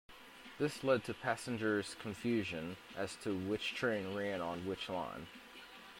This led to passengers' confusion as to which train ran on which line.